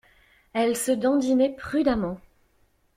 Elle se dandinait prudemment.